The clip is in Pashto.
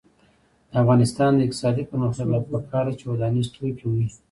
د افغانستان د اقتصادي پرمختګ لپاره پکار ده چې ودانیز توکي وي.